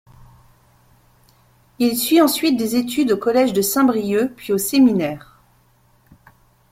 Il suit ensuite des études au collège de Saint-Brieuc puis au séminaire.